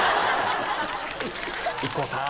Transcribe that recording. ＩＫＫＯさん